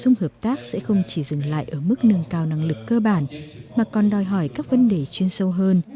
mà không chỉ dừng lại ở mức nâng cao năng lực cơ bản mà còn đòi hỏi các vấn đề chuyên sâu hơn